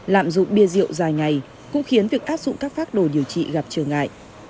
lạm dụng bia rượu dài ngày cũng khiến việc áp dụng các pháp đồ điều trị gặp trường ngại